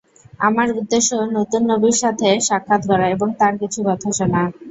আমার উদ্দেশ্য নতুন নবীর সাথে সাক্ষাৎ করা এবং তাঁর কিছু কথা শোনা।